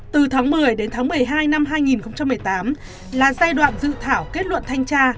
từ tháng một mươi đến tháng một mươi hai năm hai nghìn một mươi tám là giai đoạn dự thảo kết luận thanh tra